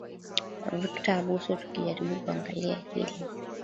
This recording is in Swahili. aa victor abuso tukijaribu kuangalia hili